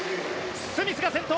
スミスが先頭。